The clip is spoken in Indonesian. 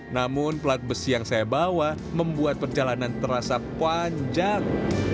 namun pelat besi yang saya bawa membuat perjalanan terasa panjang